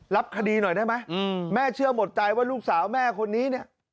รับคดีหน่อยได้ไหมแม่เชื่อหมดใจว่าลูกสาวแม่คนนี้เนี่ย